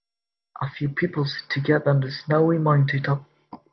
A few people sit together on the snowy mountaintop.